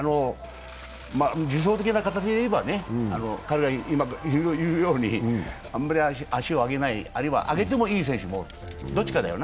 理想的な形でいえば、あんまり足を上げない、あるいは上げてもいい選手、どっちかだよな。